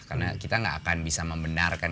karena kita tidak akan bisa membenarkan